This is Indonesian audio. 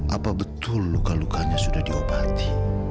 apa betul luka lukanya sudah diobati